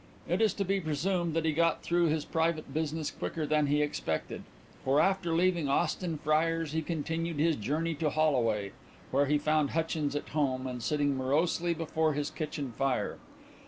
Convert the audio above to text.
It is to be presumed that he got through his private business quicker than he expected, for after leaving Austin Friars he continued his journey to Holloway, where he found Hutchins at home and sitting morosely before his kitchen fire.